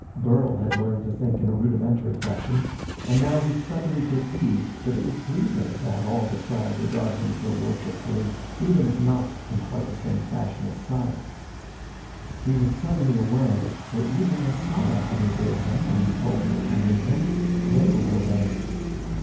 Burl had learned to think in a rudimentary fashion and now he suddenly perceived that it was pleasing to have all the tribe regard him so worshipfully, even if not in quite the same fashion as Saya. He was suddenly aware that even as Saya had obeyed him when he told her to come with him, they would obey.